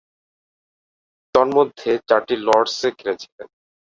তন্মধ্যে, চারটি লর্ডসে খেলেছিলেন।